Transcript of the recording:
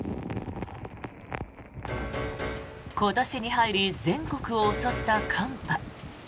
今年に入り全国を襲った寒波。